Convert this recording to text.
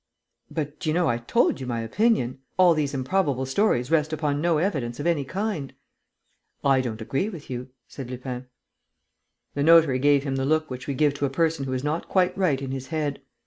"But, you know, I told you my opinion. All these improbable stories rest upon no evidence of any kind." "I don't agree with you," said Lupin. The notary gave him the look which we give to a person who is not quite right in his head.